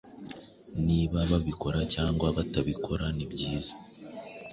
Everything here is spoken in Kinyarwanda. Niba babikora cyangwa batabikora nibyiza.